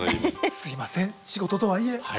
すいません仕事とはいえ。